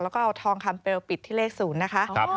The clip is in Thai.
แล้วก็เอาทองคำเปลปิดที่เลข๐นะคะ